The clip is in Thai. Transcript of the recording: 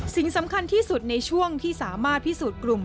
สิ่งสำคัญที่สุดในช่วงที่สามารถพิสูจน์กลุ่ม